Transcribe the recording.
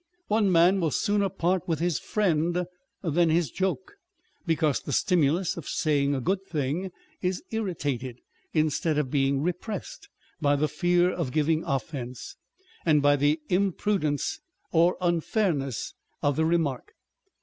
One man will sooner part with his friend than his joke, because the stimulus of saying a good thing is irritated, instead of being repressed, by the fear of giving offence, and by the imprudence or unfairness of the remark.